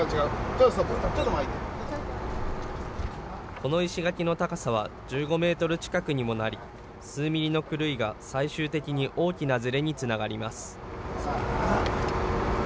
この石垣の高さは１５メートル近くにもなり、数ミリの狂いが最終的に大きなずれにつながります。